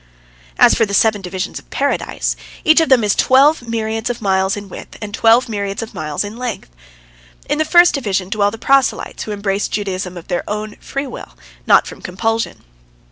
As for the seven divisions of Paradise, each of them is twelve myriads of miles in width and twelve myriads of miles in length. In the first division dwell the proselytes who embraced Judaism of their own free will, not from compulsion.